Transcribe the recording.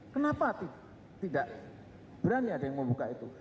kenapa tidak berani ada yang membuka itu